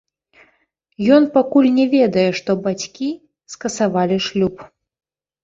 Ён пакуль не ведае, што бацькі скасавалі шлюб.